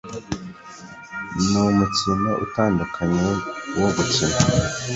Numukino utandukanye wo gukina